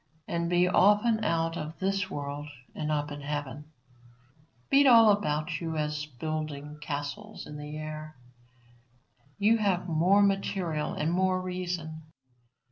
And be often out of this world and up in heaven. Beat all about you at building castles in the air; you have more material and more reason.